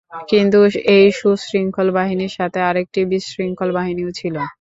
কিন্তু এই সুশৃঙ্খল বাহিনীর সাথে আরেকটি বিশৃঙ্খল বাহিনীও ছিল।